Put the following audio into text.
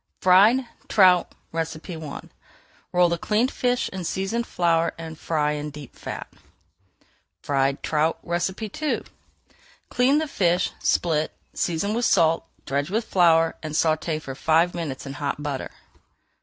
FRIED TROUT I Roll the cleaned fish in seasoned flour and fry in deep fat. FRIED TROUT II Clean the fish, split, season with salt, dredge with flour, and sauté for five minutes in hot butter.